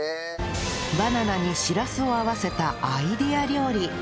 バナナにシラスを合わせたアイデア料理